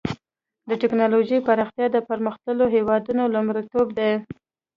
د ټکنالوجۍ پراختیا د پرمختللو هېوادونو لومړیتوب دی.